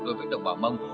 đối với đồng bào mông